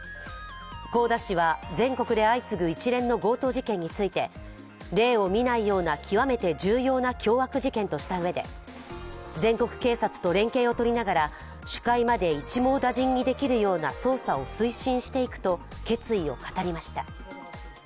国府田氏は全国で相次ぐ一連の強盗事件について例を見ないような極めて重要な凶悪事件としたうえで全国警察と連携を取りながら、首魁まで一網打尽にできるような捜査を推進していくと決意を語りました。